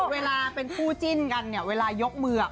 เวลาเป็นคู่จิ้นกันเวลายกมืออ่ะ